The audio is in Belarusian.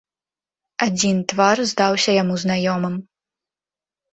Адзін твар здаўся яму знаёмым.